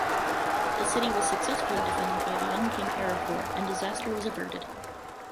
The city was successfully defended by the young King Araphor, and disaster was averted.